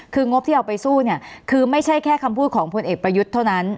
คืองบที่เอาไปสู้เนี่ยคือไม่ใช่แค่คำพูดของพลเอกประยุทธ์เท่านั้น